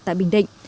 tại bình định